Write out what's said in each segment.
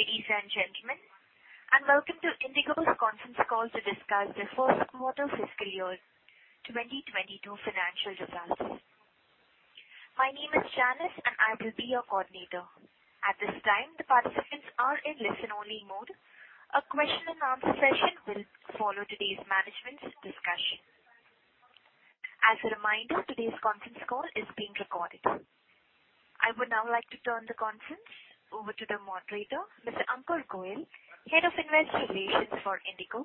Evening, ladies and gentlemen, welcome to IndiGo's conference call to discuss their first quarter fiscal year 2022 financial results. My name is Janice, and I will be your coordinator. At this time, the participants are in listen-only mode. A question and answer session will follow today's management discussion. As a reminder, today's conference call is being recorded. I would now like to turn the conference over to the moderator, Mr. Ankur Goel, Head of Investor Relations for IndiGo.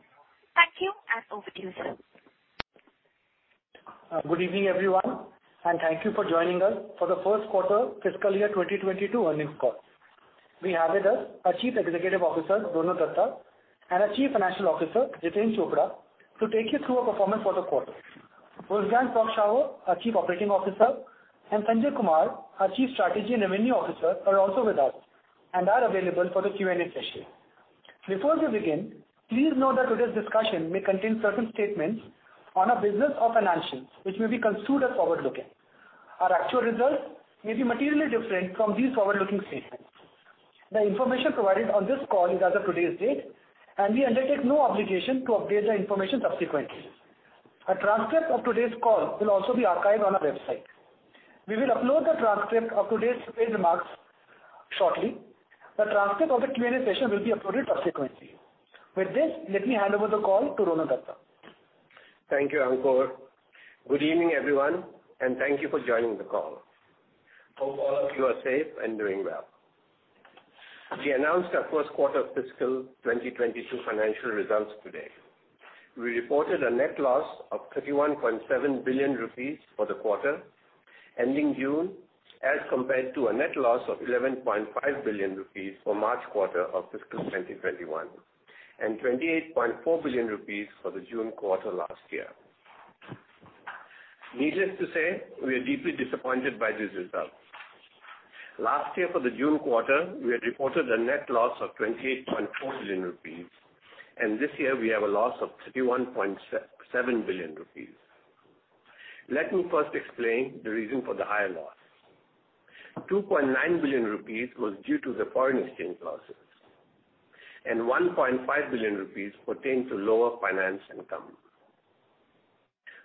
Thank you. Over to you, sir. Good evening, everyone, and thank you for joining us for the first quarter fiscal year 2022 earnings call. We have with us our Chief Executive Officer, Ronojoy Dutta, and our Chief Financial Officer, Jiten Chopra, to take you through our performance for the quarter. Wolfgang Prock-Schauer, our Chief Operating Officer, and Sanjay Kumar, our Chief Strategy and Revenue Officer, are also with us and are available for the Q&A session. Before we begin, please note that today's discussion may contain certain statements on our business or financials, which may be construed as forward-looking. Our actual results may be materially different from these forward-looking statements. The information provided on this call is as of today's date, and we undertake no obligation to update the information subsequently. A transcript of today's call will also be archived on our website. We will upload the transcript of today's prepared remarks shortly. The transcript of the Q&A session will be uploaded subsequently. With this, let me hand over the call to Ronojoy Dutta. Thank you, Ankur. Good evening, everyone, and thank you for joining the call. Hope all of you are safe and doing well. We announced our first quarter fiscal 2022 financial results today. We reported a net loss of 31.7 billion rupees for the quarter ending June, as compared to a net loss of 11.5 billion rupees for March quarter of fiscal 2021, and 28.4 billion rupees for the June quarter last year. Needless to say, we are deeply disappointed by these results. Last year for the June quarter, we had reported a net loss of 28.4 billion rupees, and this year we have a loss of 31.7 billion rupees. Let me first explain the reason for the higher loss. 2.9 billion rupees was due to the foreign exchange losses, and 1.5 billion rupees pertains to lower finance income.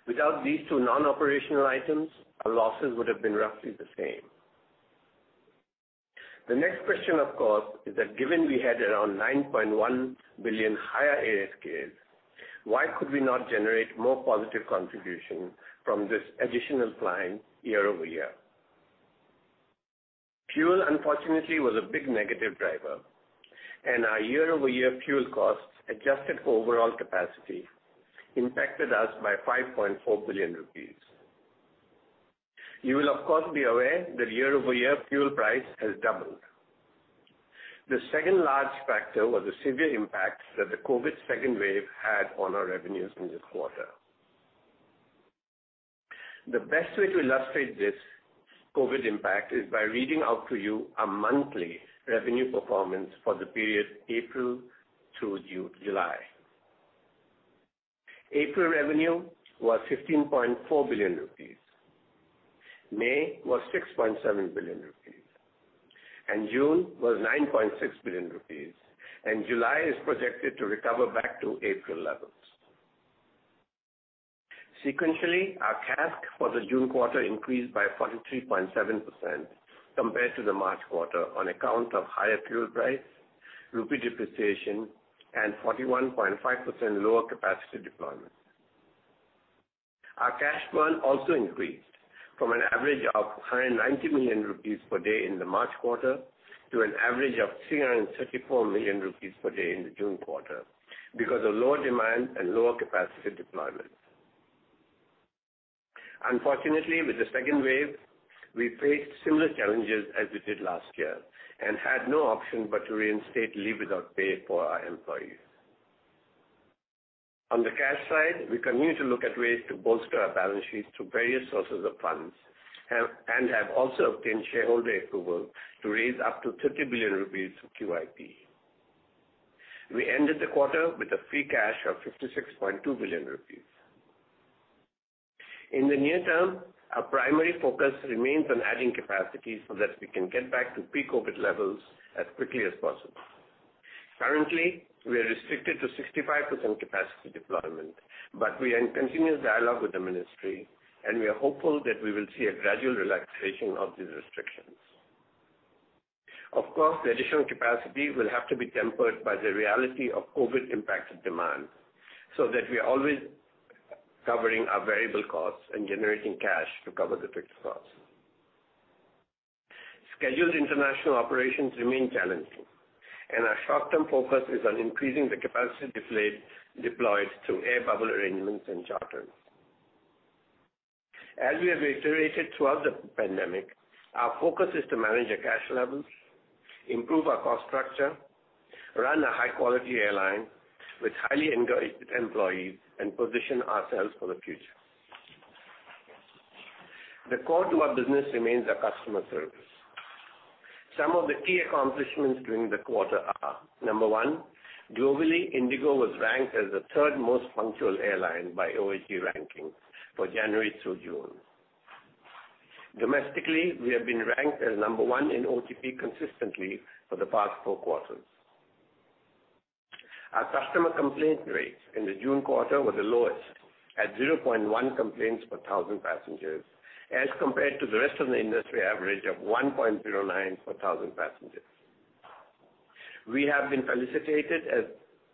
Without these two non-operational items, our losses would have been roughly the same. The next question, of course, is that given we had around 9.1 billion higher ASKs, why could we not generate more positive contribution from this additional flying year-over-year? Fuel, unfortunately, was a big negative driver, and our year-over-year fuel costs adjusted for overall capacity impacted us by 5.4 billion rupees. You will, of course, be aware that year-over-year fuel price has doubled. The second large factor was the severe impact that the COVID-19 second wave had on our revenues in this quarter. The best way to illustrate this COVID-19 impact is by reading out to you a monthly revenue performance for the period April through July. April revenue was 15.4 billion rupees. May was 6.7 billion rupees, and June was 9.6 billion rupees, and July is projected to recover back to April levels. Sequentially, our CASK for the June quarter increased by 43.7% compared to the March quarter on account of higher fuel price, rupee depreciation, and 41.5% lower capacity deployment. Our cash burn also increased from an average of 190 million rupees per day in the March quarter to an average of 334 million rupees per day in the June quarter because of lower demand and lower capacity deployment. Unfortunately, with the second wave, we faced similar challenges as we did last year and had no option but to reinstate leave without pay for our employees. On the cash side, we continue to look at ways to bolster our balance sheets through various sources of funds and have also obtained shareholder approval to raise up to 30 billion rupees of QIP. We ended the quarter with a free cash of 56.2 billion rupees. In the near term, our primary focus remains on adding capacity so that we can get back to pre-COVID levels as quickly as possible. Currently, we are restricted to 65% capacity deployment, but we are in continuous dialogue with the ministry, and we are hopeful that we will see a gradual relaxation of these restrictions. Of course, the additional capacity will have to be tempered by the reality of COVID-impacted demand so that we are always covering our variable costs and generating cash to cover the fixed costs. Scheduled international operations remain challenging, and our short-term focus is on increasing the capacity deployed through air bubble arrangements and charters. As we have reiterated throughout the pandemic, our focus is to manage the cash levels, improve our cost structure, run a high-quality airline with highly engaged employees, and position ourselves for the future. The core to our business remains our customer service. Some of the key accomplishments during the quarter are, number one, globally, IndiGo was ranked as the third most punctual airline by OAG ranking for January through June. Domestically, we have been ranked as number one in OTP consistently for the past four quarters. Our customer complaint rates in the June quarter were the lowest, at 0.1 complaints per thousand passengers, as compared to the rest of the industry average of 1.09 per thousand passengers. We have been felicitated as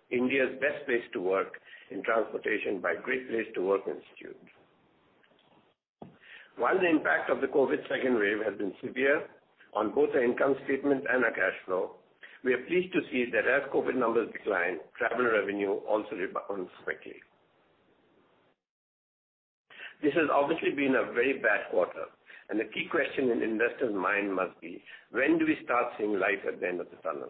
India's best place to work in transportation by Great Place to Work Institute. While the impact of the COVID second wave has been severe on both our income statement and our cash flow, we are pleased to see that as COVID numbers decline, traveler revenue also rebounds quickly. This has obviously been a very bad quarter, and the key question in investors' mind must be: when do we start seeing light at the end of the tunnel?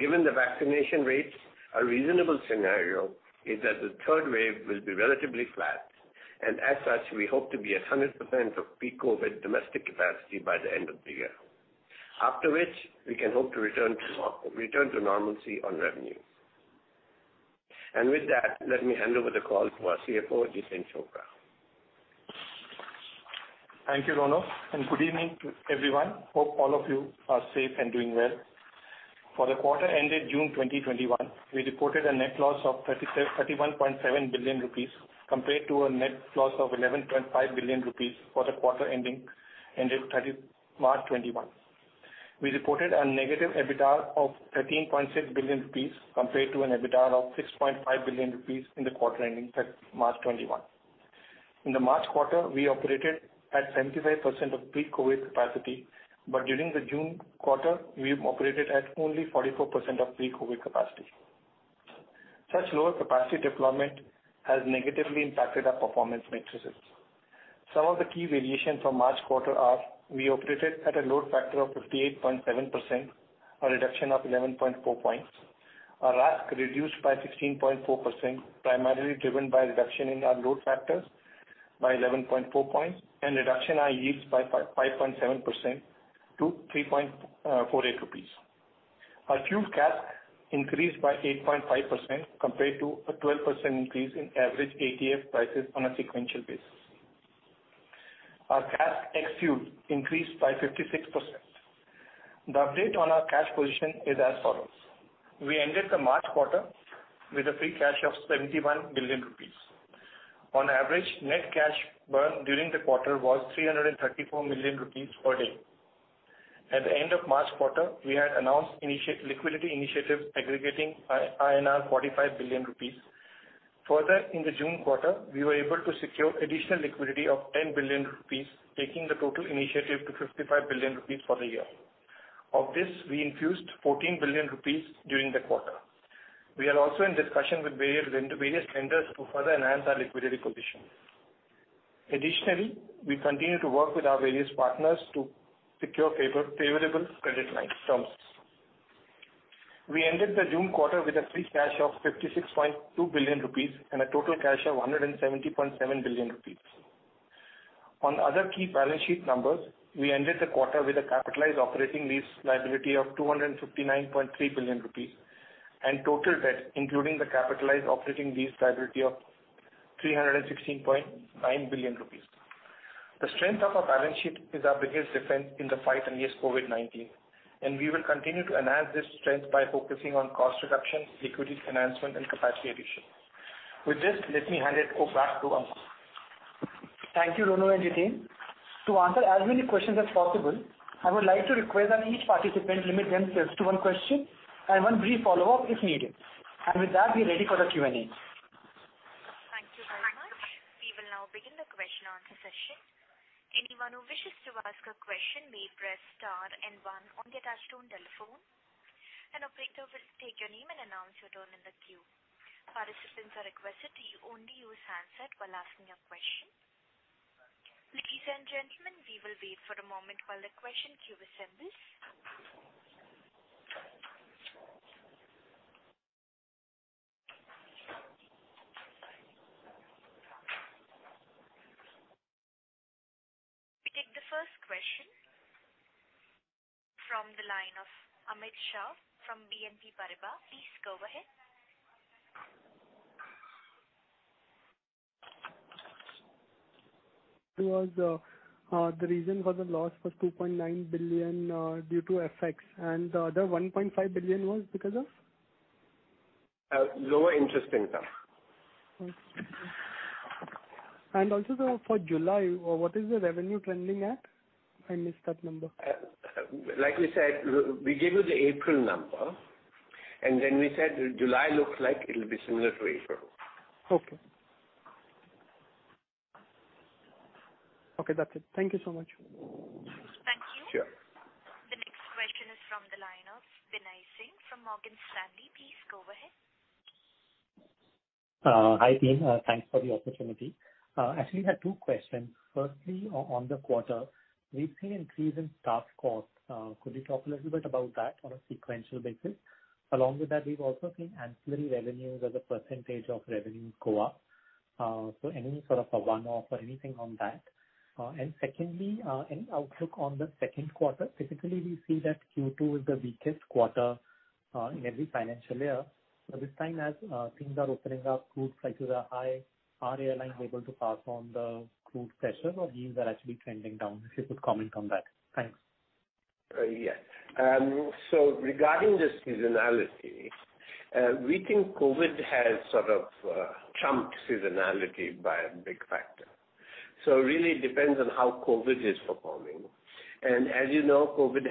Given the vaccination rates, a reasonable scenario is that the third wave will be relatively flat, and as such, we hope to be at 100% of peak COVID domestic capacity by the end of the year. After which, we can hope to return to normalcy on revenue. With that, let me hand over the call to our CFO, Jitendra Chopra. Thank you, Ronojoy, and good evening to everyone. Hope all of you are safe and doing well. For the quarter ended June 2021, we reported a net loss of 31.7 billion rupees, compared to a net loss of 11.5 billion rupees for the quarter ending March 2021. We reported a negative EBITDA of 13.6 billion rupees, compared to an EBITDA of 6.5 billion rupees in the quarter ending March 2021. In the March quarter, we operated at 75% of peak COVID capacity, but during the June quarter, we operated at only 44% of peak COVID capacity. Such lower capacity deployment has negatively impacted our performance matrices. Some of the key variations from March quarter are we operated at a load factor of 58.7%, a reduction of 11.4 points. Our RASK reduced by 16.4%, primarily driven by a reduction in our load factors by 11.4 points, and reduction in our yields by 5.7% to 3.48 rupees. Our fuel cost increased by 8.5%, compared to a 12% increase in average ATF prices on a sequential basis. Our CASK ex-fuel increased by 56%. The update on our cash position is as follows. We ended the March quarter with a free cash of 71 billion rupees. On average, net cash burn during the quarter was 334 million rupees per day. At the end of March quarter, we had announced liquidity initiatives aggregating 45 billion rupees. In the June quarter, we were able to secure additional liquidity of 10 billion rupees, taking the total initiative to 55 billion rupees for the year. Of this, we infused 14 billion rupees during the quarter. We are also in discussion with various lenders to further enhance our liquidity position. We continue to work with our various partners to secure favorable credit line terms. We ended the June quarter with a free cash of 56.2 billion rupees and a total cash of 170.7 billion rupees. On other key balance sheet numbers, we ended the quarter with a capitalized operating lease liability of 259.3 billion rupees and total debt, including the capitalized operating lease liability of 316.9 billion rupees. The strength of our balance sheet is our biggest defense in the fight against COVID-19, and we will continue to enhance this strength by focusing on cost reduction, liquidity enhancement and capacity addition. With this, let me hand it back to Ankur. Thank you, Ronojoy and Jiten. To answer as many questions as possible, I would like to request that each participant limit themselves to one question and one brief follow-up if needed. With that, we're ready for the Q&A. Thank you very much. We will now begin the question and answer session. Anyone who wishes to ask a question may press star and one on their touch-tone telephone. An operator will take your name and announce your turn in the queue. Participants are requested to only use handset while asking your question. Ladies and gentlemen, we will wait for a moment while the question queue assembles. We take the first question from the line of Amit Shah from BNP Paribas. Please go ahead. It was the reason for the loss was 2.9 billion due to FX, and the other 1.5 billion was because of? Lower interest income. Okay. Also for July, what is the revenue trending at? I missed that number. Like we said, we gave you the April number, and then we said July looks like it will be similar to April. Okay. Okay, that's it. Thank you so much. Thank you. Sure. The next question is from the line of Binay Singh from Morgan Stanley. Please go ahead. Hi, team. Thanks for the opportunity. Actually, I had two questions. Firstly, on the quarter, we've seen increase in staff costs. Could you talk a little bit about that on a sequential basis? Along with that, we've also seen ancillary revenues as a percentage of revenues go up. Any sort of a one-off or anything on that? Secondly, any outlook on the second quarter? Typically, we see that Q2 is the weakest quarter in every financial year. This time as things are opening up, crude prices are high. Are airlines able to pass on the crude pressures or these are actually trending down? If you could comment on that. Thanks. Yeah. Regarding the seasonality, we think COVID has sort of trumped seasonality by a big factor. Really it depends on how COVID is performing. As you know, COVID,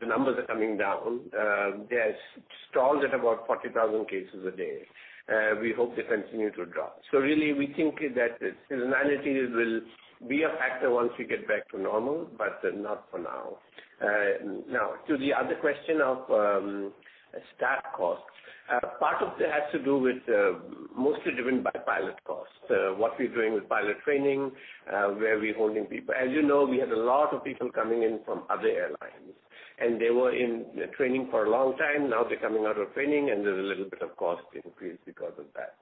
the numbers are coming down. They have stalled at about 40,000 cases a day. We hope they continue to drop. Really, we think that seasonality will be a factor once we get back to normal, but not for now. Now, to the other question of staff costs. Part of that has to do with mostly driven by pilot costs, what we're doing with pilot training, where we're holding people. As you know, we had a lot of people coming in from other airlines, and they were in training for a long time. Now they're coming out of training, and there's a little bit of cost increase because of that.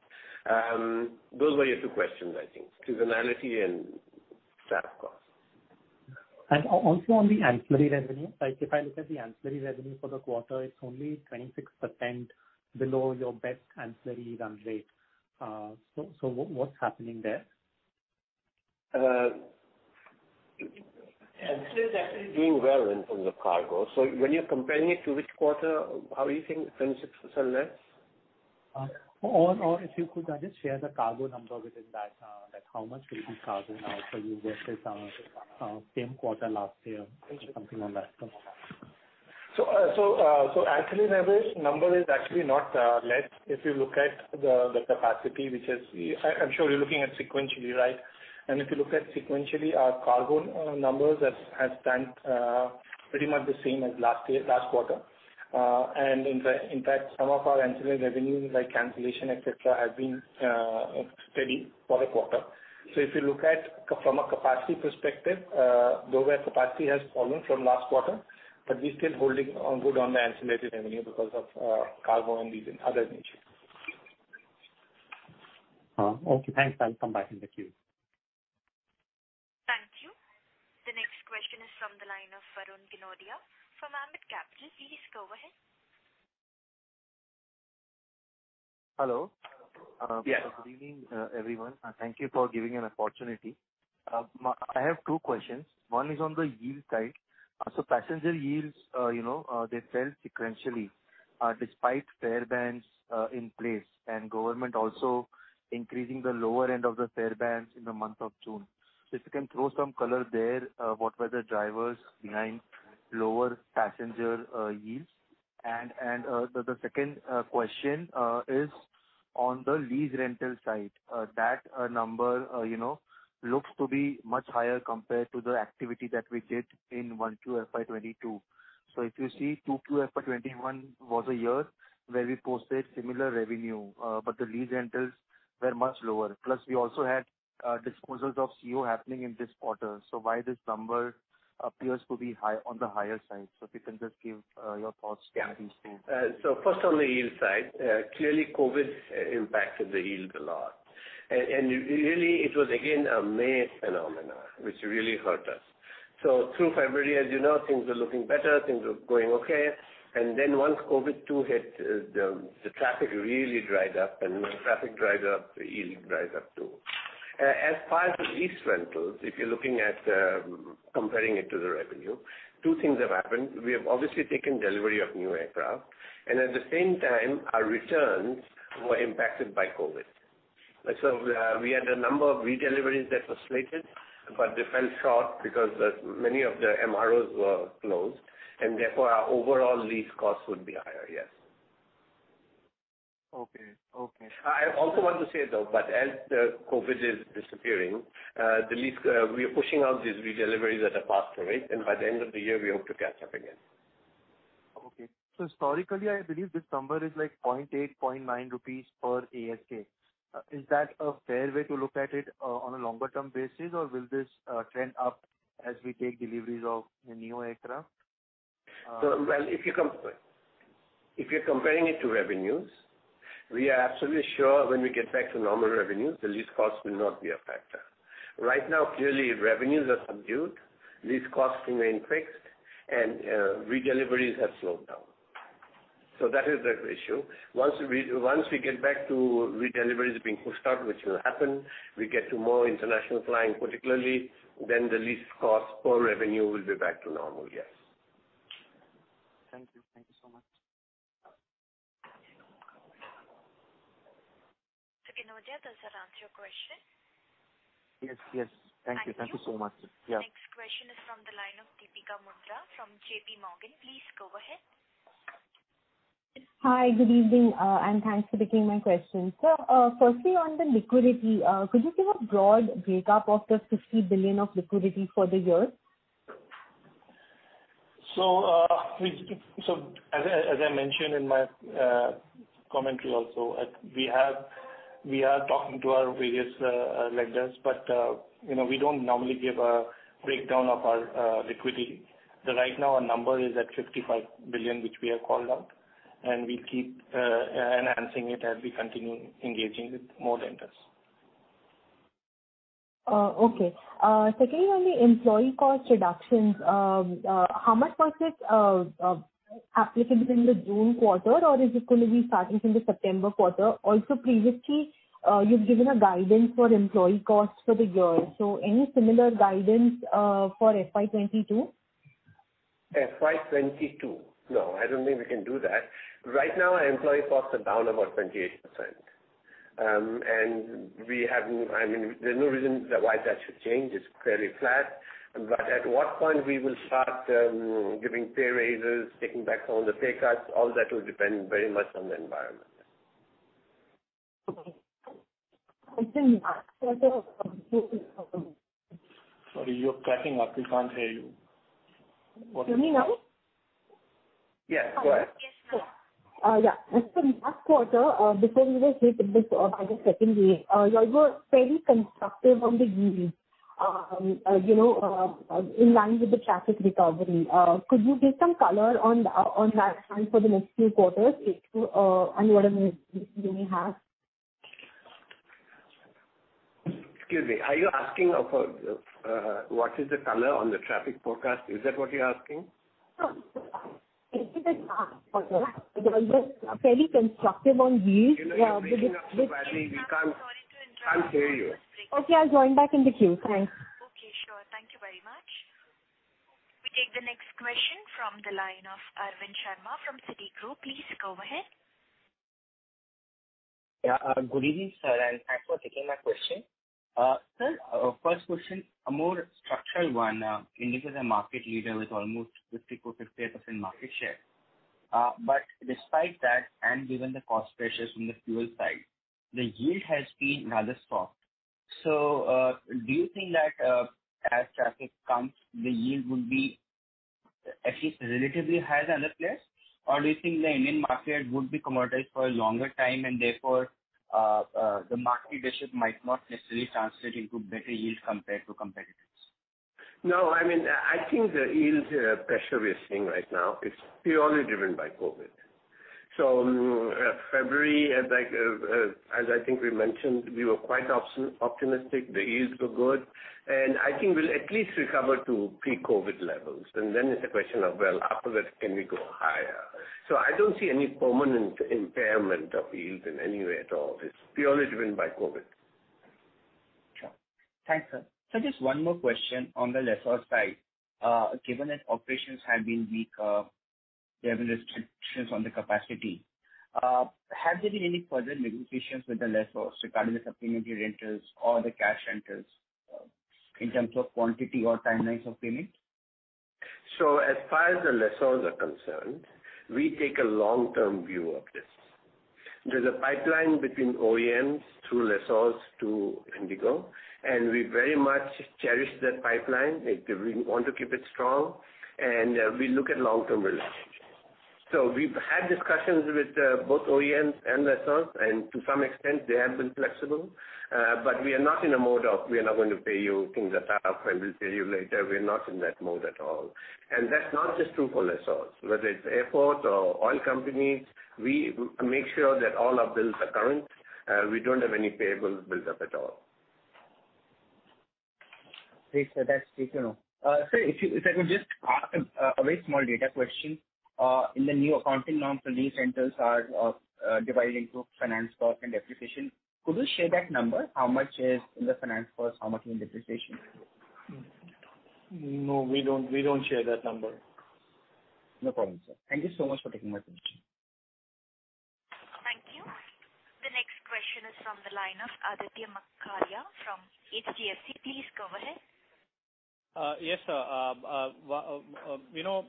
Those were your two questions, I think, seasonality and staff costs. Also on the ancillary revenue. If I look at the ancillary revenue for the quarter, it's only 26% below your best ancillary run rate. What is happening there? Ancillary is actually doing well in terms of cargo. When you're comparing it to which quarter are you saying 26% less? If you could just share the cargo number within that, how much will be cargo now for you versus same quarter last year? Something like that. Actually, Binay, number is actually not less if you look at the capacity. I'm sure you're looking at sequentially, right? If you look at sequentially, our cargo numbers has stand pretty much the same as last quarter. In fact, some of our ancillary revenues like cancellation, et cetera, have been steady for the quarter. If you look at from a capacity perspective, though where capacity has fallen from last quarter, but we still holding on good on the ancillary revenue because of cargo and these other initiatives. Okay, thanks. I'll come back in the queue. Thank you. The next question is from the line of Varun Ginodia from Ambit Capital. Please go ahead. Hello. Yes. Good evening, everyone. Thank you for giving an opportunity. I have two questions. One is on the yield side. Passenger yields, they fell sequentially despite fare bands in place and Government also increasing the lower end of the fare bands in the month of June. If you can throw some color there, what were the drivers behind lower passenger yields? The second question is on the lease rental side. That number looks to be much higher compared to the activity that we did in 1Q FY 2022. If you see 2Q FY 2021 was a year where we posted similar revenue, but the lease rentals were much lower. Plus, we also had disposals of A320ceo happening in this quarter. Why this number appears to be on the higher side? If you can just give your thoughts to these two. Yeah. First on the yield side, clearly COVID impacted the yield a lot. Really it was again, a May phenomena which really hurt us. Through February, as you know, things were looking better, things were going okay. Once COVID-2 hit, the traffic really dried up, and when traffic dried up, the yield dried up, too. As far as the lease rentals, if you're looking at comparing it to the revenue, two things have happened. We have obviously taken delivery of new aircraft, and at the same time, our returns were impacted by COVID. We had a number of redeliveries that were slated, but they fell short because many of the MROs were closed, and therefore our overall lease costs would be higher, yes. Okay. I also want to say, though, but as COVID is disappearing, we are pushing out these redeliveries at a faster rate, and by the end of the year, we hope to catch up again. Okay. Historically, I believe this number is INR 0.8, INR 0.9 per ASK. Is that a fair way to look at it on a longer term basis, or will this trend up as we take deliveries of the new aircraft? Well, if you're comparing it to revenues, we are absolutely sure when we get back to normal revenues, the lease cost will not be a factor. Right now, clearly, revenues are subdued, lease costs remain fixed, and redeliveries have slowed down. That is the issue. Once we get back to redeliveries being pushed out, which will happen, we get to more international flying, particularly, then the lease cost per revenue will be back to normal, yes. Thank you. Thank you so much. Mr. Ginodia, does that answer your question? Yes. Thank you. Thank you. Thank you so much. Yeah. Next question is from the line of Deepika Mundra from JPMorgan. Please go ahead. Hi, good evening, and thanks for taking my question. Sir, firstly on the liquidity, could you give a broad breakup of the 50 billion of liquidity for the year? As I mentioned in my commentary also, we are talking to our various lenders, but we don't normally give a breakdown of our liquidity. Right now our number is at 55 billion, which we have called out, and we keep enhancing it as we continue engaging with more lenders. Okay. Secondly, on the employee cost reductions, how much was it applicable in the June quarter or is it going to be starting from the September quarter? Also, previously you've given a guidance for employee costs for the year, so any similar guidance for FY 2022? FY 2022. No, I don't think we can do that. Right now our employee costs are down about 28%. There's no reason why that should change. It's fairly flat. At what point we will start giving pay raises, taking back all the pay cuts, all that will depend very much on the environment. Okay. Sorry, you're cutting up. We can't hear you. Can you hear me now? Yes, go ahead. Yeah. As for last quarter, before we were hit by the second wave, you were very constructive on the yield in line with the traffic recovery. Could you give some color on that front for the next few quarters, H2, and what you may have? Excuse me, are you asking what is the color on the traffic forecast? Is that what you're asking? No. fairly constructive on yield- You know, you're breaking up so badly. We can't hear you. Okay, I'll join back in the queue. Thanks. Okay, sure. Thank you very much. We take the next question from the line of Arvind Sharma from Citigroup. Please go ahead. Good evening, sir, and thanks for taking my question. Sir, first question, a more structural one. IndiGo is a market leader with almost 50%-58% market share. Despite that, and given the cost pressures from the fuel side, the yield has been rather soft. Do you think that as traffic comes, the yield would be at least relatively higher than the players? Do you think the Indian market would be commoditized for a longer time and therefore, the market leadership might not necessarily translate into better yield compared to competitors? I think the yield pressure we're seeing right now is purely driven by COVID. February, as I think we mentioned, we were quite optimistic. The yields were good. I think we'll at least recover to pre-COVID levels. It's a question of, well, after that, can we go higher? I don't see any permanent impairment of yield in any way at all. It's purely driven by COVID. Sure. Thanks, sir. Sir, just one more question on the lessor side. Given that operations have been weak, there have been restrictions on the capacity. Has there been any further negotiations with the lessors regarding the supplementary rentals or the cash rentals in terms of quantity or timelines of payment? As far as the lessors are concerned, we take a long-term view of this. There's a pipeline between OEMs to lessors to IndiGo, and we very much cherish that pipeline. We want to keep it strong and we look at long-term relationships. We've had discussions with both OEMs and lessors, and to some extent they have been flexible. We are not going to pay you things that are up and we'll pay you later. We're not in that mode at all. That's not just true for lessors. Whether it's airports or oil companies, we make sure that all our bills are current. We don't have any payables built up at all. Great, sir. That is good to know. Sir, if I could just ask a very small data question. In the new accounting norm, the lease rentals are divided into finance cost and depreciation. Could you share that number? How much is in the finance cost, how much in depreciation? No, we don't share that number. No problem, sir. Thank you so much for taking my question. Thank you. The next question is from the line of Aditya Makharia from HDFC. Please go ahead. Yes, sir.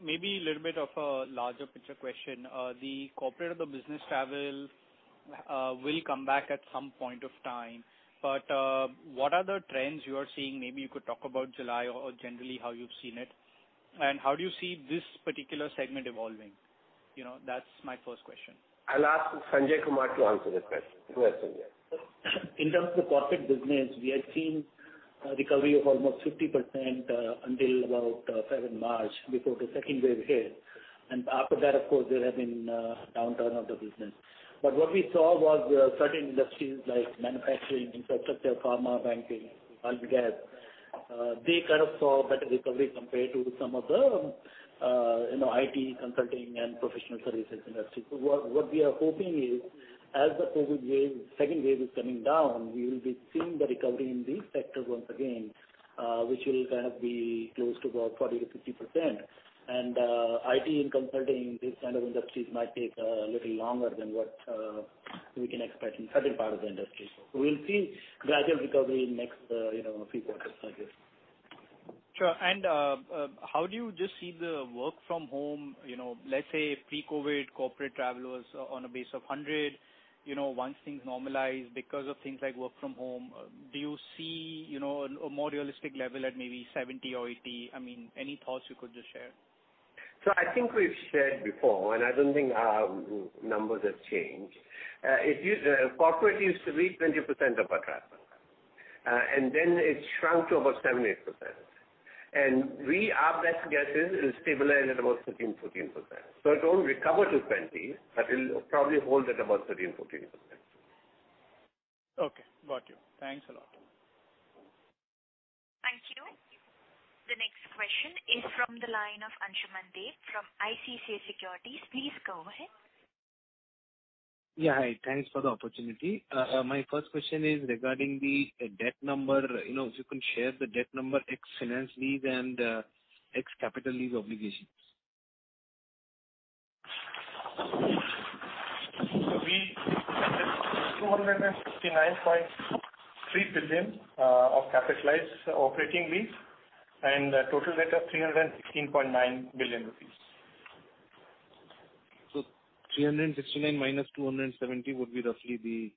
Maybe a little bit of a larger picture question. The corporate or the business travel will come back at some point of time. What are the trends you are seeing? Maybe you could talk about July or generally how you've seen it. How do you see this particular segment evolving? That's my first question. I'll ask Sanjay Kumar to answer this question. Go ahead, Sanjay. In terms of corporate business, we had seen a recovery of almost 50% until about 7th March before the second wave hit. After that, of course, there has been a downturn of the business. What we saw was certain industries like manufacturing, infrastructure, pharma, banking, all together, they kind of saw better recovery compared to some of the IT consulting and professional services industry. What we are hoping is as the COVID-19 second wave is coming down, we will be seeing the recovery in these sectors once again, which will perhaps be close to about 40%-50%. IT and consulting, these kind of industries might take a little longer than what we can expect in certain part of the industry. We'll see gradual recovery in next few quarters, I guess. Sure. How do you just see the work from home, let's say pre-COVID corporate travel was on a base of 100. Once things normalize because of things like work from home, do you see a more realistic level at maybe 70 or 80? Any thoughts you could just share? I think we've shared before, and I don't think our numbers have changed. Corporate used to be 20% of our travel, and then it shrunk to about 7%-8%. Our best guess is it will stabilize at about 13%-14%. It won't recover to 20, but it will probably hold at about 13%-14%. Okay, got you. Thanks a lot. Thank you. The next question is from the line of Ansuman Deb from ICICI Securities. Please go ahead. Hi. Thanks for the opportunity. My 1st question is regarding the debt number. If you can share the debt number, ex-finance lease and ex-capital lease obligations. We had 269.3 billion of capitalized operating lease and a total debt of 316.9 billion rupees. 369 minus 270 would roughly be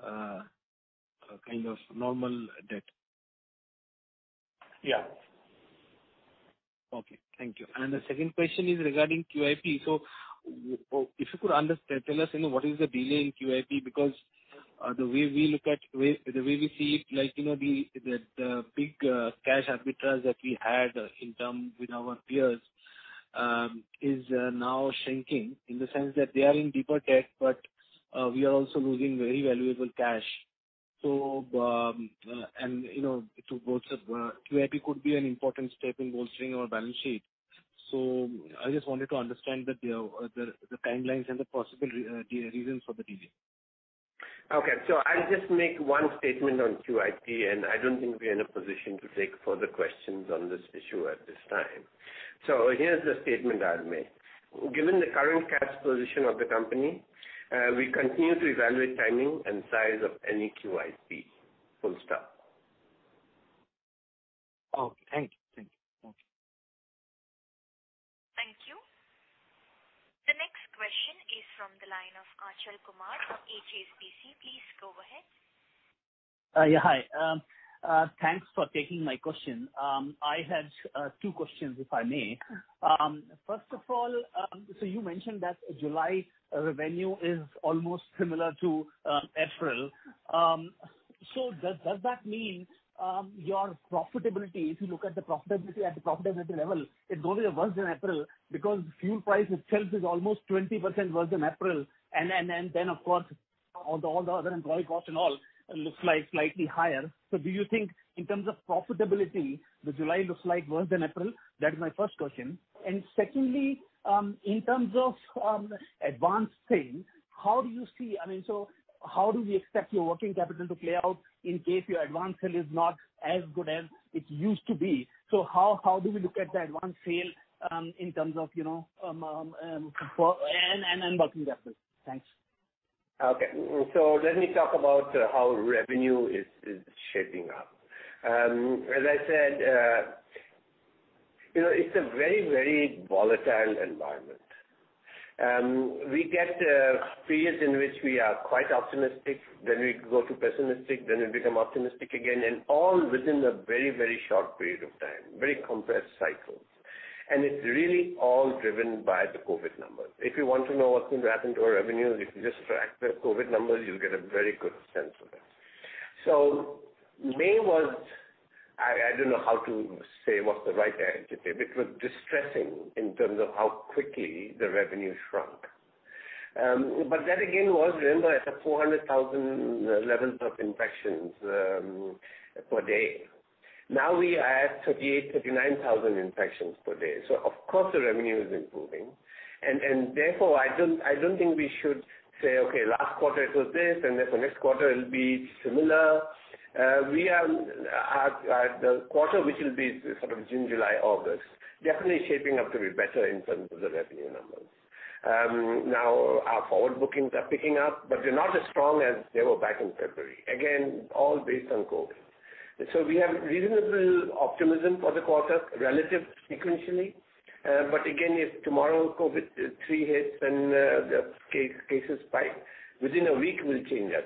kind of normal debt. Yeah. Okay, thank you. The second question is regarding QIP. If you could tell us what is the delay in QIP? Because the way we see it, the big cash arbitrage that we had in term with our peers is now shrinking in the sense that they are in deeper debt, but we are also losing very valuable cash. QIP could be an important step in bolstering our balance sheet. I just wanted to understand the timelines and the possible reasons for the delay. Okay. I'll just make one statement on QIP, I don't think we're in a position to take further questions on this issue at this time. Here's the statement I'll make. Given the current cash position of the company, we continue to evaluate timing and size of any QIP. Okay, thank you. Thank you. The next question is from the line of Achal Kumar from HSBC. Please go ahead. Yeah, hi. Thanks for taking my question. I had two questions, if I may. First of all, you mentioned that July revenue is almost similar to April. Does that mean your profitability, if you look at the profitability at the profitability level, it's only worse than April because fuel price itself is almost 20% worse than April. Of course, all the other employee costs and all looks like slightly higher. Do you think in terms of profitability, the July looks like worse than April? That is my first question. Secondly, in terms of advance sale, how do we expect your working capital to play out in case your advance sale is not as good as it used to be? How do we look at the advance sale and working capital? Thanks. Okay. Let me talk about how revenue is shaping up. As I said, it's a very volatile environment. We get periods in which we are quite optimistic, then we go to pessimistic, then we become optimistic again, and all within a very short period of time, very compressed cycles. It's really all driven by the COVID numbers. If you want to know what's going to happen to our revenues, if you just track the COVID numbers, you'll get a very good sense of it. May was, I don't know how to say, what's the right adjective. It was distressing in terms of how quickly the revenue shrunk. That again was, remember, at the 400,000 levels of infections per day. Now we are at 38,000, 39,000 infections per day. Of course, the revenue is improving. Therefore, I don't think we should say, okay, last quarter it was this, and therefore next quarter it'll be similar. The quarter, which will be sort of June, July, August, definitely shaping up to be better in terms of the revenue numbers. Our forward bookings are picking up, but they're not as strong as they were back in February. All based on COVID. We have reasonable optimism for the quarter relative sequentially. Again, if tomorrow COVID-3 hits and the cases spike, within a week we'll change our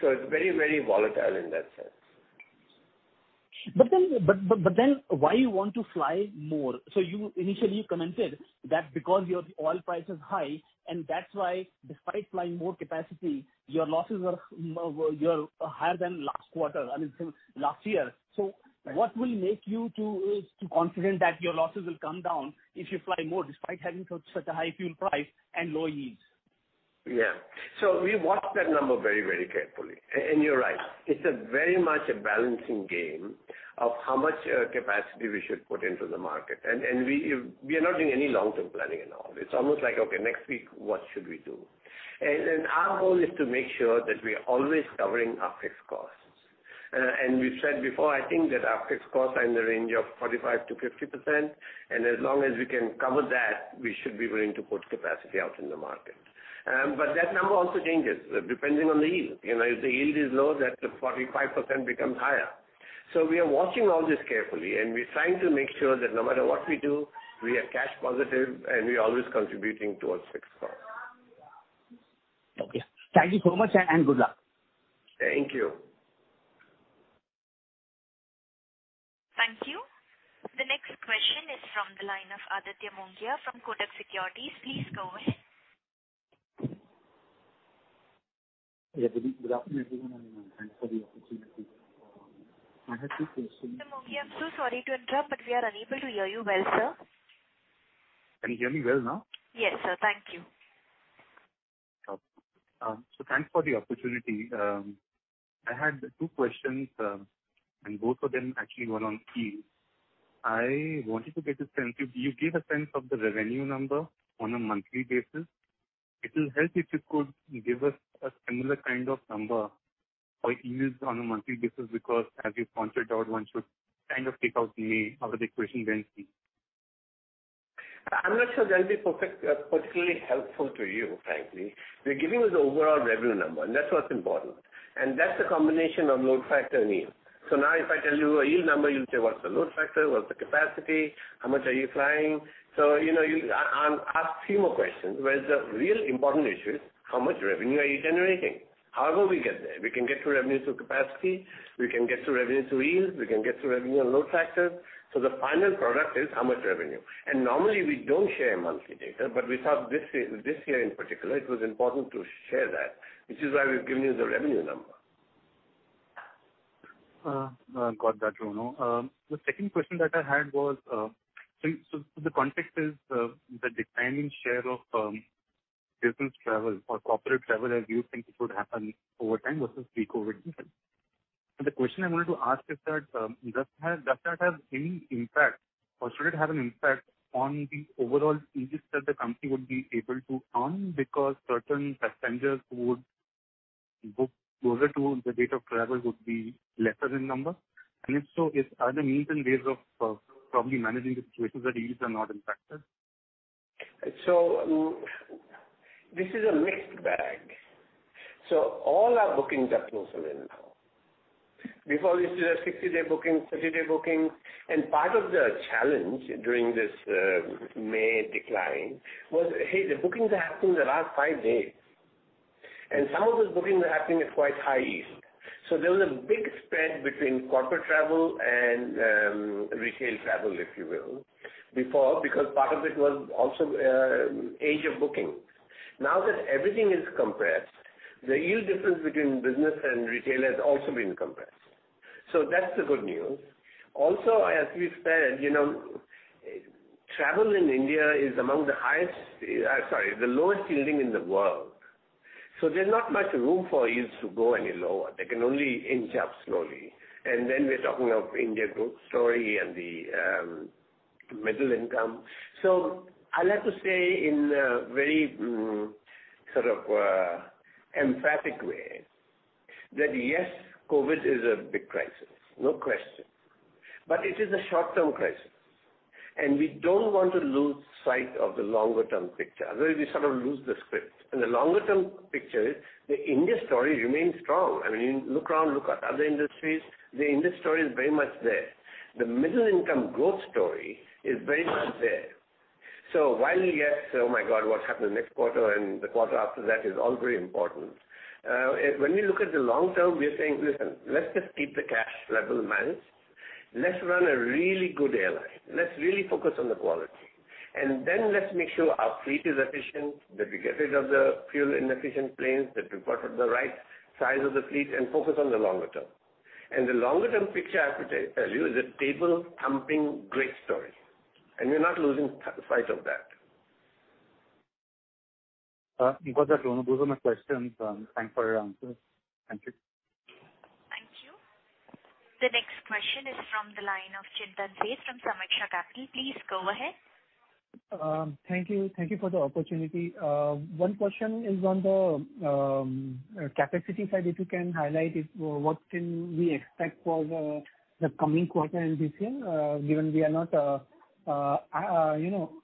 view. It's very volatile in that sense. Why you want to fly more? You initially commented that because your oil price is high, and that's why despite flying more capacity, your losses are higher than last year. What will make you two confident that your losses will come down if you fly more despite having such a high fuel price and low yields? Yeah. We watch that number very carefully. You're right. It's very much a balancing game of how much capacity we should put into the market. We are not doing any long-term planning at all. It's almost like, okay, next week, what should we do? Our goal is to make sure that we are always covering our fixed costs. We've said before, I think that our fixed costs are in the range of 45% to 50%. As long as we can cover that, we should be willing to put capacity out in the market. That number also changes depending on the yield. If the yield is low, that 45% becomes higher. We are watching all this carefully, and we're trying to make sure that no matter what we do, we are cash positive and we are always contributing towards fixed costs. Okay. Thank you so much and good luck. Thank you. Thank you. The next question is from the line of Aditya Mongia from Kotak Securities. Please go ahead. Yeah, good afternoon, everyone, and thanks for the opportunity. I have two questions. Mr. Mongia, I'm so sorry to interrupt, but we are unable to hear you well, sir. Can you hear me well now? Yes, sir. Thank you. Thanks for the opportunity. I had two questions, and both of them actually were on yield. I wanted to get a sense if you give a sense of the revenue number on a monthly basis. It will help if you could give us a similar kind of number for yields on a monthly basis, because as you pointed out, one should kind of take out May out of the equation. I'm not sure that'll be particularly helpful to you, frankly. We're giving you the overall revenue number, that's what's important. That's a combination of load factor and yield. Now if I tell you a yield number, you'll say, what's the load factor? What's the capacity? How much are you flying? You ask few more questions, whereas the real important issue is how much revenue are you generating? However, we get there. We can get to revenue through capacity. We can get to revenue through yields. We can get to revenue on load factors. The final product is how much revenue? Normally we don't share monthly data, but we thought this year in particular, it was important to share that, which is why we've given you the revenue number. Got that, Ronojoy. The second question that I had was, the context is the declining share of business travel or corporate travel as you think it would happen over time versus pre-COVID. The question I wanted to ask is that, does that have any impact or should it have an impact on the overall yields that the company would be able to earn because certain passengers who would book closer to the date of travel would be lesser in number? If so, are there means and ways of probably managing the situations where yields are not impacted? This is a mixed bag. All our bookings are closer in now. Before, we used to have 60-day booking, 30-day booking, part of the challenge during this May decline was, hey, the bookings are happening in the last five days. Some of those bookings were happening at quite high yield. There was a big spread between corporate travel and retail travel, if you will, before, because part of it was also age of booking. Now that everything is compressed, the yield difference between business and retail has also been compressed. That's the good neos. Also, as we've said, travel in India is among the lowest yielding in the world. There's not much room for yields to go any lower. They can only inch up slowly. Then we're talking of India growth story and the middle income. I'll have to say in a very emphatic way that, yes, COVID is a big crisis, no question, but it is a short-term crisis, and we don't want to lose sight of the longer-term picture. Otherwise, we sort of lose the script. The longer-term picture is the India story remains strong. Look around, look at other industries. The India story is very much there. The middle income growth story is very much there. While, yes, oh my God, what happens next quarter and the quarter after that is all very important. When we look at the long term, we are saying, Listen, let's just keep the cash level managed. Let's run a really good airline. Let's really focus on the quality, and then let's make sure our fleet is efficient, that we get rid of the fuel inefficient planes, that we've got the right size of the fleet and focus on the longer term. The longer-term picture, I have to tell you, is a table-thumping great story, and we're not losing sight of that. Got that, Ronojoy. Those were my questions. Thanks for your answers. Thank you. Thank you. The next question is from the line of Chintan Sheth from Sameeksha Capital. Please go ahead. Thank you. Thank you for the opportunity. One question is on the capacity side. If you can highlight what can we expect for the coming quarter and this year, given we are not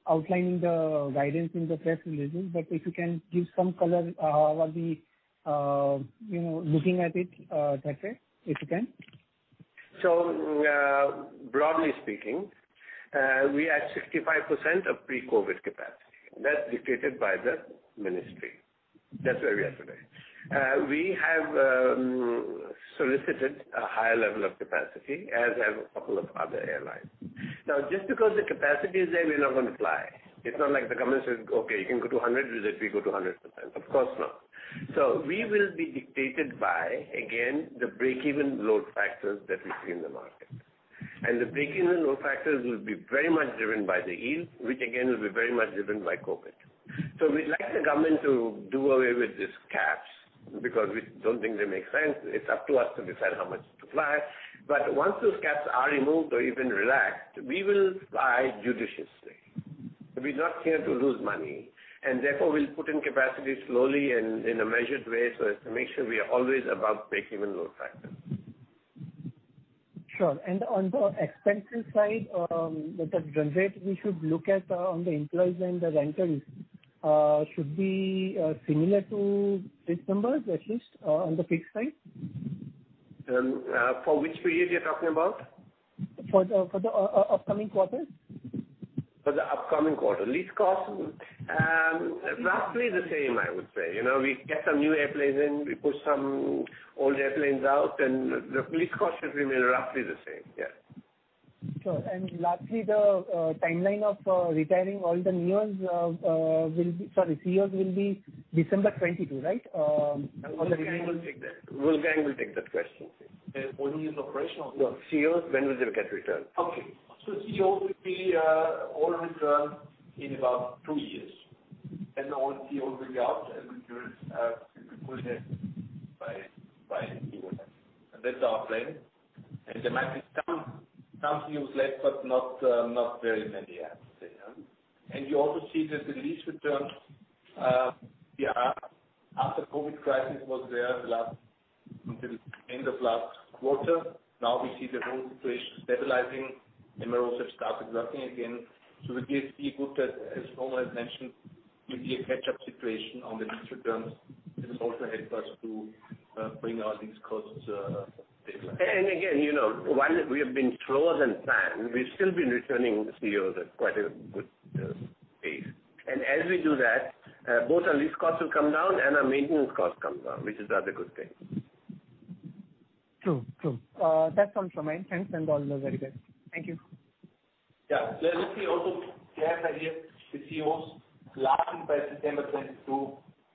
outlining the guidance in the press releases, but if you can give some color over the looking at it that way, if you can. Broadly speaking, we are at 65% of pre-COVID-19 capacity. That's dictated by the ministry. That's where we are today. We have solicited a higher level of capacity, as have a couple of other airlines. Just because the capacity is there, we're not going to fly. It's not like the government says, Okay, you can go to 100%, does it we go to 100%. Of course not. We will be dictated by, again, the break-even load factors that we see in the market. The break-even load factors will be very much driven by the yield, which again, will be very much driven by COVID-19. We'd like the government to do away with these caps because we don't think they make sense. It's up to us to decide how much to fly. Once those caps are removed or even relaxed, we will fly judiciously. We're not here to lose money, and therefore, we'll put in capacity slowly and in a measured way so as to make sure we are always above break-even load factors. Sure. On the expenses side, the trend rate we should look at on the employees and the rentals should be similar to these numbers, at least on the fixed side? For which period you're talking about? For the upcoming quarter. For the upcoming quarter. Lease costs? Roughly the same, I would say. We get some new airplanes in, we put some old airplanes out. The lease cost should remain roughly the same. Yes. Sure. Lastly, the timeline of retiring all the A320ceos will be December 2022, right? Wolfgang Prock-Schauer will take that question. When it is operational. No. CEOs, when will they get returned? A320ceos will be all returned in about two years. All A320ceos will be out and replaced by new ones. That's our plan. There might be some used less, but not very many, I have to say. You also see that the lease returns after COVID-19 crisis was there until end of last quarter. We see the whole situation stabilizing and we also start exactly again. It will be good that, as Ronojoy has mentioned, it will be a catch-up situation on the lease returns. This will also help us to bring our lease costs stabilized. Again, while we have been slower than planned, we've still been returning A320ceos at quite a good pace. As we do that, both our lease costs will come down and our maintenance costs come down, which is the other good thing. True. That's all from my end. Thanks and all the very best. Thank you. Yeah. Let me also clarify here, the A320ceos last by September 2022,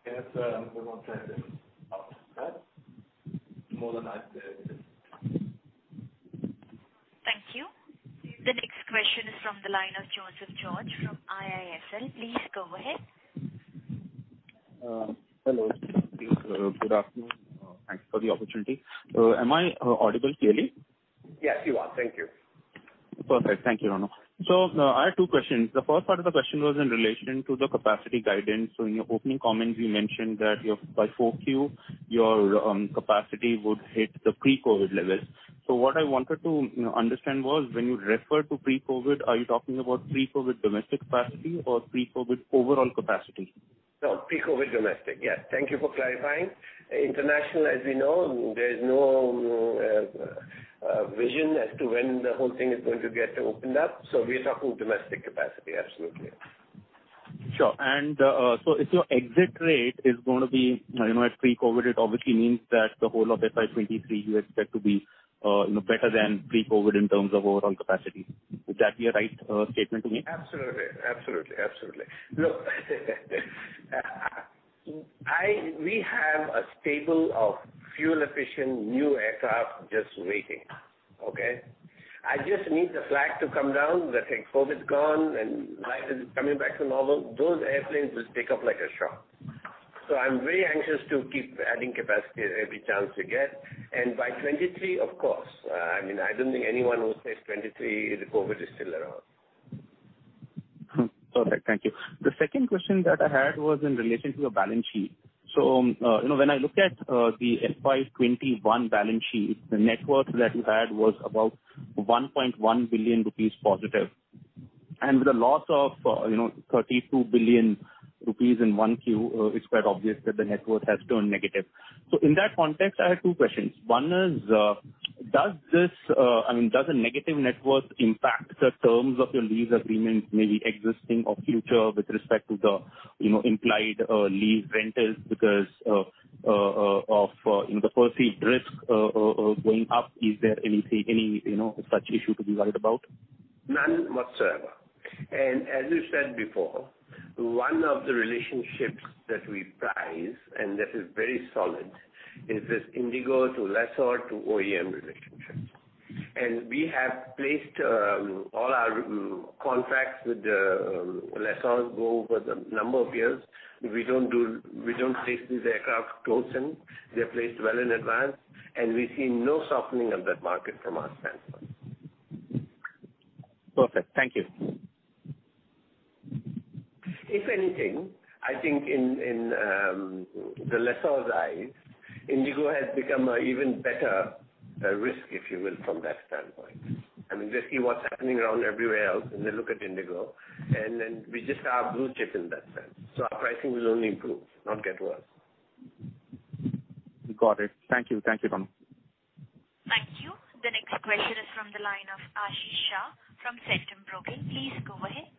yes, we want to have them out, right? Modernized. Thank you. The next question is from the line of Joseph George from IIFL. Please go ahead. Hello. Good afternoon. Thanks for the opportunity. Am I audible clearly? Yes, you are. Thank you. Perfect. Thank you, Ronojoy. I have two questions. The first part of the question was in relation to the capacity guidance. In your opening comments, you mentioned that by 4Q, your capacity would hit the pre-COVID levels. What I wanted to understand was when you refer to pre-COVID, are you talking about pre-COVID domestic capacity or pre-COVID overall capacity? No, pre-COVID domestic. Yes. Thank you for clarifying. International, as we know, there is no vision as to when the whole thing is going to get opened up. We are talking domestic capacity. Absolutely. Sure. If your exit rate is going to be at pre-COVID, it obviously means that the whole of FY 2023, you expect to be better than pre-COVID in terms of overall capacity. Would that be a right statement to make? Absolutely. Look. We have a stable of fuel-efficient new aircraft just waiting. Okay? I just need the flag to come down that says COVID's gone and life is coming back to normal. Those airplanes will take off like a shot. I'm very anxious to keep adding capacity every chance we get. By 2023, of course. I don't think anyone will say 2023 if COVID is still around. Perfect. Thank you. The second question that I had was in relation to your balance sheet. When I look at the FY 2021 balance sheet, the net worth that you had was about 1.1 billion rupees positive. With a loss of 32 billion rupees in 1Q, it's quite obvious that the net worth has turned negative. In that context, I have two questions. One is, does a negative net worth impact the terms of your lease agreements, maybe existing or future with respect to the implied lease rentals because of the perceived risk of going up? Is there any such issue to be worried about? None whatsoever. As we said before, one of the relationships that we prize, and this is very solid, is this IndiGo to lessor to OEM relationship. We have placed all our contracts with the lessors go over the number of years. We don't take these aircraft close in. They're placed well in advance, and we see no softening of that market from our standpoint. Perfect. Thank you. If anything, I think in the lessor's eyes, IndiGo has become an even better risk, if you will, from that standpoint. I mean, just see what's happening around everywhere else, and they look at IndiGo, and then we just are blue chip in that sense. Our pricing will only improve, not get worse. Got it. Thank you, Ronojoy. Thank you. The next question is from the line of Ashish Shah from Centrum Broking. Please go ahead.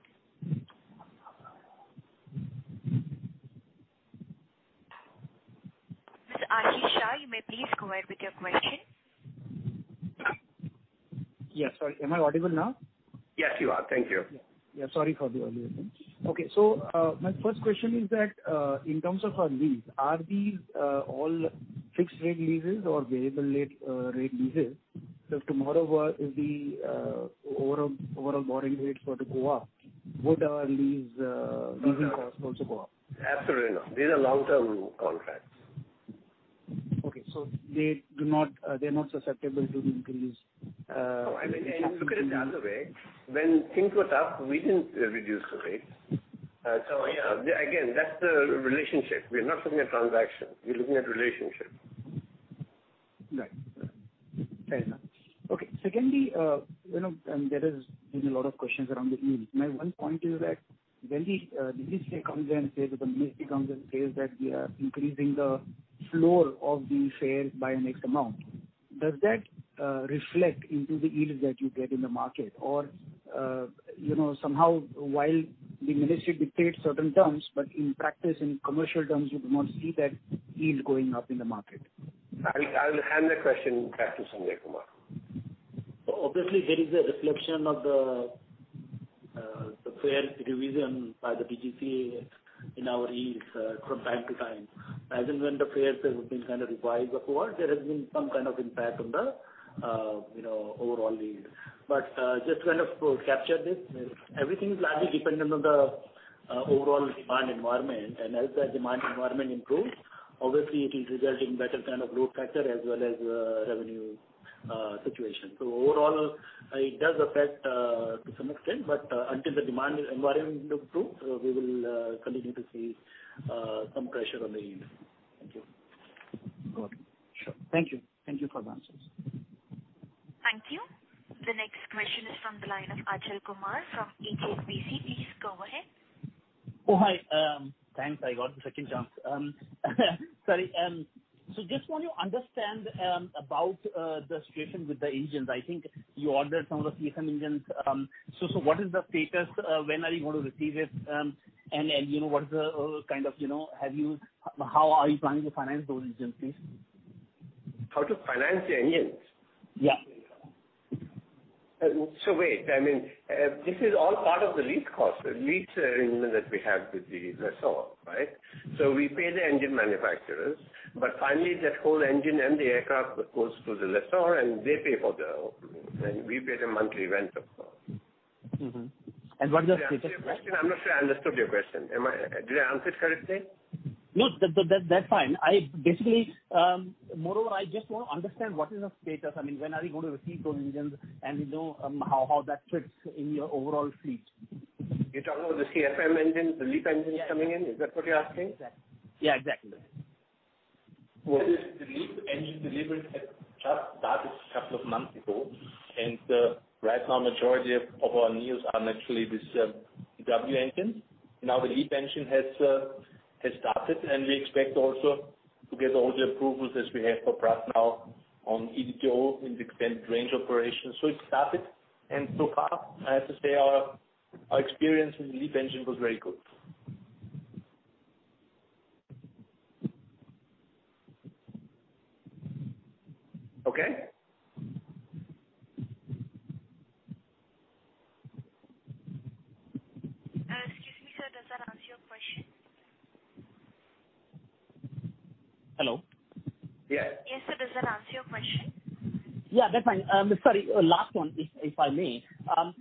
Ashish Shah, you may please go ahead with your question. Yes, sorry. Am I audible now? Yes, you are. Thank you. Yeah. Sorry for the earlier thing. My first question is that, in terms of our lease, are these all fixed-rate leases or variable-rate leases? If tomorrow the overall borrowing rates were to go up, would our leasing costs also go up? Absolutely not. These are long-term contracts. Okay. They're not susceptible to increase. Look at it the other way. When things were tough, we didn't reduce the rates. Yeah, again, that's the relationship. We're not looking at transaction, we're looking at relationship. Right. Fair enough. Okay. Secondly, there is a lot of questions around the yield. My one point is that when the DGCA comes and says that the ministry comes and says that we are increasing the floor of the fares by an X amount, does that reflect into the yields that you get in the market? Somehow, while the ministry dictates certain terms, but in practice, in commercial terms, you do not see that yield going up in the market. I will hand that question back to Sanjay Kumar. Obviously, there is a reflection of the fare revision by the DGCA in our yields from time to time. As and when the fares have been kind of revised before, there has been some kind of impact on the overall yield. Just to kind of capture this, everything is largely dependent on the overall demand environment. As the demand environment improves, obviously it will result in better kind of load factor as well as revenue situation. Overall, it does affect to some extent, but until the demand environment improves, we will continue to see some pressure on the yield. Thank you. Got it. Sure. Thank you. Thank you for the answers. Thank you. The next question is from the line of Achal Kumar from HSBC. Please go ahead. Oh, hi. Thanks, I got the second chance. Sorry. I just want to understand about the situation with the engines. I think you ordered some of the CFM engines. What is the status? When are you going to receive it? How are you planning to finance those engines, please? How to finance the engines? Yeah. Wait, this is all part of the lease cost, the lease arrangement that we have with the lessor. We pay the engine manufacturers, but finally that whole engine and the aircraft goes to the lessor and they pay for the engine, and we pay the monthly rental cost. Mm-hmm. What is the status? Did I answer your question? I'm not sure I understood your question. Did I answer it correctly? No, that's fine. Moreover, I just want to understand what is the status. When are you going to receive those engines, and how that fits in your overall fleet? You're talking about the CFM engines, the LEAP engines coming in, is that what you're asking? Yeah, exactly. The LEAP engine deliveries had just started a couple of months ago, and right now majority of our news are naturally with the PW engines. Now the LEAP engine has started, and we expect also to get all the approvals as we have for Pratt now on ETO in the extended range operations. It's started, and so far I have to say our experience with the LEAP engine was very good. Okay? Excuse me, sir. Does that answer your question? Hello? Yes. Yes, sir. Does that answer your question? Yeah, that's fine. Sorry, last one, if I may. Now,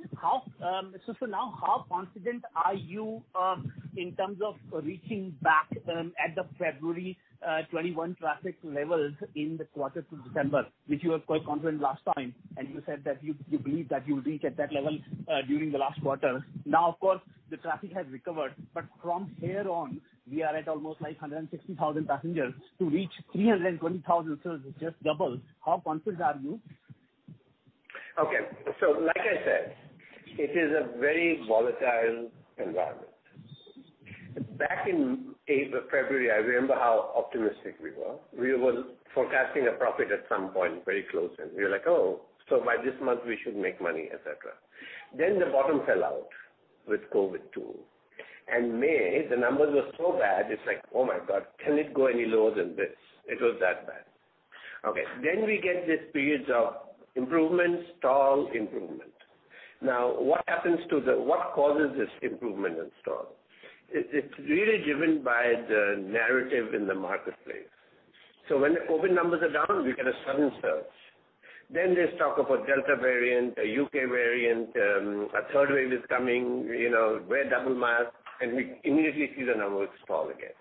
how confident are you in terms of reaching back at the February 2021 traffic levels in the quarter to December, which you were quite confident last time, and you said that you believe that you'll reach at that level during the last quarter. Now of course, the traffic has recovered, but from here on, we are at almost 560,000 passengers. To reach 320,000, so it's just double. How confident are you? Okay. Like I said, it is a very volatile environment. Back in 8th of February, I remember how optimistic we were. We were forecasting a profit at some point very close, and we were like, Oh, so by this month, we should make money, et cetera. The bottom fell out with COVID too. In May, the numbers were so bad, it's like, Oh my God, can it go any lower than this? It was that bad. Okay. We get these periods of improvement, stall, improvement. Now, what causes this improvement and stall? It's really driven by the narrative in the marketplace. When the COVID numbers are down, we get a sudden surge. There's talk about Delta variant, a UK variant, a third wave is coming, wear double mask, and we immediately see the numbers fall again.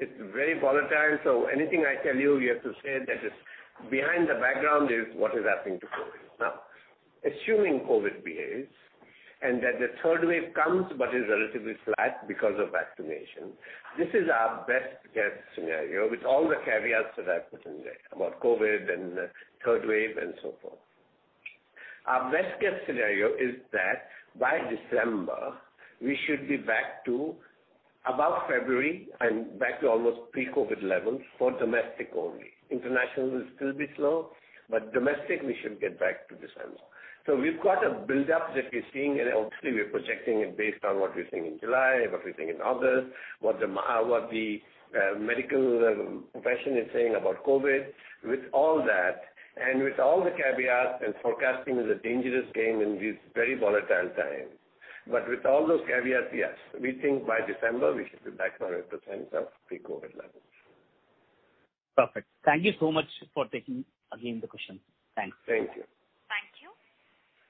It's very volatile. Anything I tell you have to say that behind the background is what is happening to COVID. Assuming COVID behaves and that the third wave comes but is relatively flat because of vaccination, this is our best-guess scenario with all the caveats that I put in there about COVID and the third wave and so forth. Our best-guess scenario is that by December, we should be back to about February and back to almost pre-COVID levels for domestic only. International will still be slow, but domestic we should get back to December. We've got a build-up that we're seeing, and obviously we're projecting it based on what we're seeing in July, what we're seeing in August, what the medical profession is saying about COVID. With all that, and with all the caveats and forecasting is a dangerous game in these very volatile times. With all those caveats, yes, we think by December we should be back to 100% of pre-COVID levels. Perfect. Thank you so much for taking again the question. Thanks. Thank you. Thank you.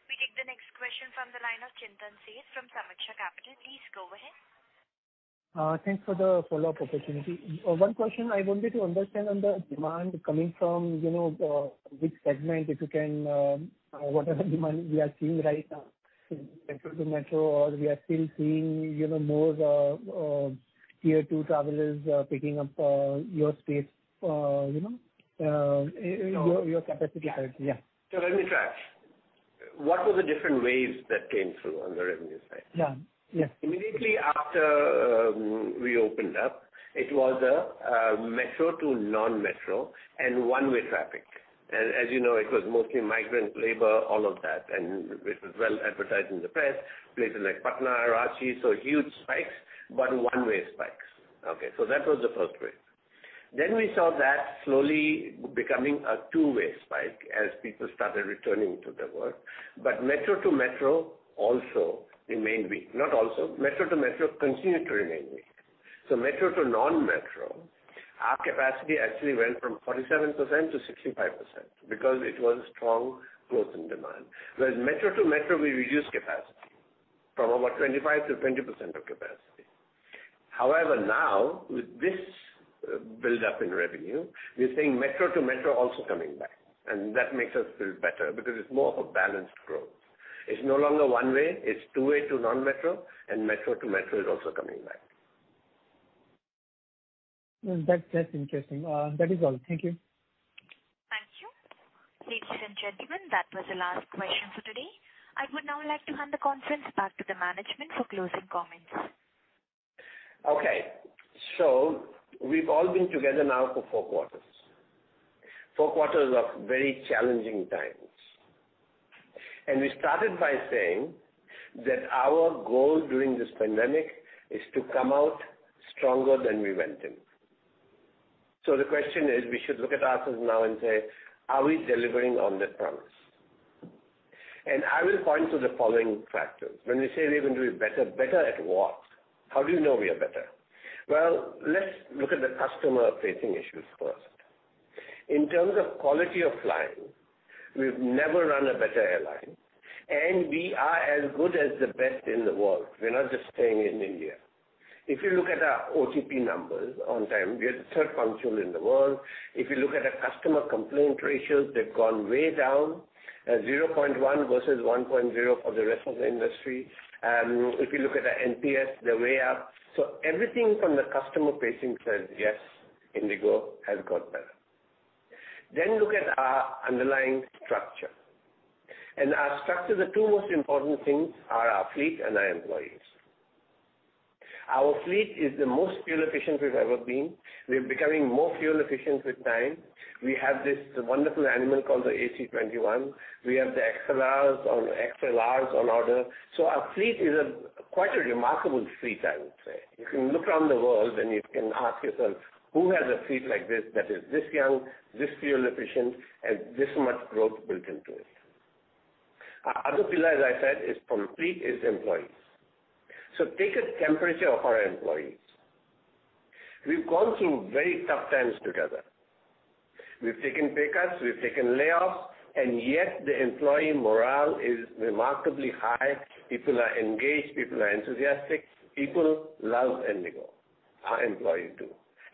We take the next question from the line of Chintan Sheth from Sameeksha Capital. Please go ahead. Thanks for the follow-up opportunity. One question I wanted to understand on the demand coming from which segment, if you can, whatever demand we are seeing right now, metro to metro, or we are still seeing more tier 2 travelers picking up your capacity? Yeah. Let me try. What were the different waves that came through on the revenue side? Yeah. Immediately after we opened up, it was a metro to non-metro and one-way traffic. As you know, it was mostly migrant labor, all of that, and it was well advertised in the press. Places like Patna, Ranchi, saw huge spikes, but one-way spikes. That was the first wave. We saw that slowly becoming a two-way spike as people started returning to their work, but metro to metro continued to remain weak. Metro to non-metro, our capacity actually went from 47% to 65% because it was strong growth in demand. Whereas metro to metro, we reduced capacity from over 25% to 20% of capacity. However, now, with this build-up in revenue, we are seeing metro to metro also coming back, and that makes us feel better because it's more of a balanced growth. It's no longer one-way, it's two-way to non-metro and metro to metro is also coming back. That's interesting. That is all. Thank you. Thank you. Ladies and gentlemen, that was the last question for today. I would now like to hand the conference back to the management for closing comments. Okay. We've all been together now for four quarters. four quarters of very challenging times. We started by saying that our goal during this pandemic is to come out stronger than we went in. The question is, we should look at ourselves now and say, are we delivering on that promise? I will point to the following factors. When we say we're going to do it better at what? How do you know we are better? Let's look at the customer-facing issues first. In terms of quality of flying, we've never run a better airline, and we are as good as the best in the world. We're not just staying in India. If you look at our OTP numbers, on time, we are the third punctual in the world. If you look at our customer complaint ratios, they've gone way down, 0.1 versus 1.0 for the rest of the industry. If you look at our NPS, they're way up. Everything from the customer-facing says, Yes, IndiGo has got better. Look at our underlying structure. In our structure, the two most important things are our fleet and our employees. Our fleet is the most fuel efficient we've ever been. We are becoming more fuel efficient with time. We have this wonderful animal called the A321. We have the XLRs on order. Our fleet is quite a remarkable fleet, I would say. You can look around the world and you can ask yourself, who has a fleet like this that is this young, this fuel efficient, and this much growth built into it? Our other pillar, as I said, from fleet, is employees. Take a temperature of our employees. We've gone through very tough times together. We've taken pay cuts, we've taken layoffs, and yet the employee morale is remarkably high. People are engaged. People are enthusiastic. People love IndiGo. Our employees do.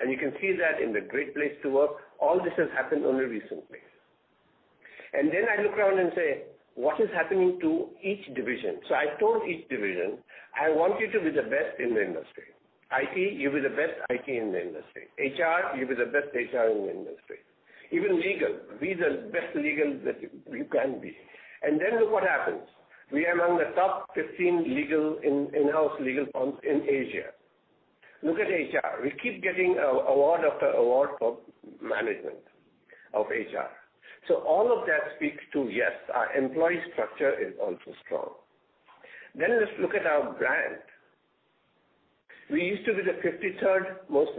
You can see that in the Great Place to Work, all this has happened only recently. I look around and say, what is happening to each division? I told each division, I want you to be the best in the industry. IT, you be the best IT in the industry. HR, you be the best HR in the industry. Even legal, be the best legal that you can be. Look what happens. We are among the top 15 in-house legal firms in Asia. Look at HR. We keep getting award after award for management of HR. All of that speaks to, yes, our employee structure is also strong. Let's look at our brand. We used to be the 53rd most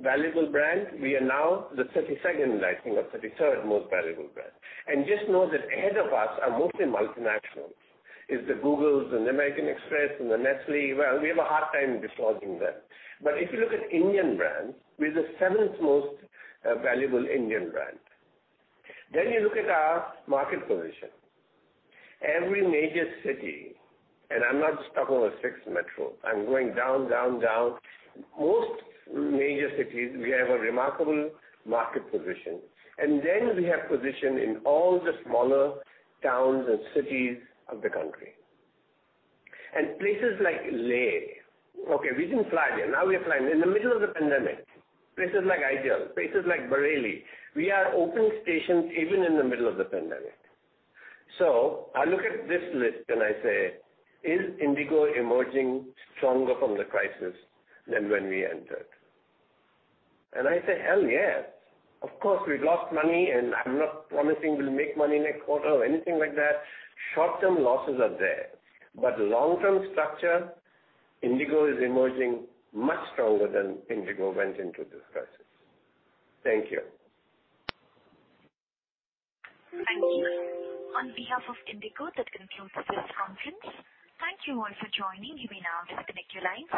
valuable brand. We are now the 32nd, I think, or 33rd most valuable brand. Just know that ahead of us are mostly multinationals, is the Googles and American Express and the Nestlé. We have a hard time dislodging them. If you look at Indian brands, we're the seventh most valuable Indian brand. You look at our market position. Every major city, I'm not just talking about six metros, I'm going down. Most major cities, we have a remarkable market position. We have position in all the smaller towns and cities of the country. Places like Leh. We didn't fly there. Now we are flying there in the middle of the pandemic. Places like Aizawl, places like Bareilly. We are open stations even in the middle of the pandemic. I look at this list and I say, is IndiGo emerging stronger from the crisis than when we entered? I say, hell, yes. Of course, we've lost money, and I'm not promising we'll make money next quarter or anything like that. Short-term losses are there. Long-term structure, IndiGo is emerging much stronger than IndiGo went into this crisis. Thank you. Thank you. On behalf of IndiGo, that concludes this conference. Thank you all for joining. You may now disconnect your lines.